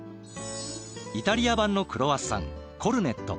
イタリア版のクロワッサンコルネット。